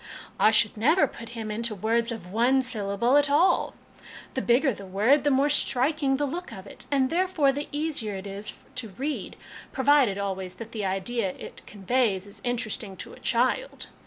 " I should never put him into words of one syllable at all. The bigger the wdrd, the more striking the look of it, and, therefore, the easier it is to read, provided always that the idea it conveys is interesting to a child.